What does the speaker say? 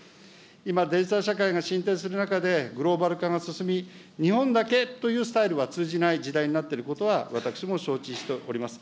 今、デジタル社会が進展する中で、グローバル化が進み、日本だけというスタイルは通じない時代になってることは、私も承知しております。